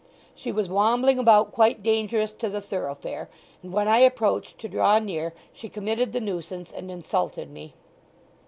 She was wambling about quite dangerous to the thoroughfare and when I approached to draw near she committed the nuisance, and insulted me."